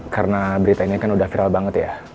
karena berita ini kan udah viral banget ya